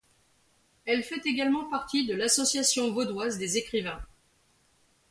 Elle fait également partie de l'Association vaudoise des écrivains.